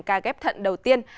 ca ghép thận đầu tiên